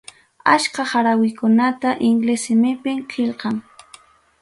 Achka qarawikunata inglés simipim qillqan.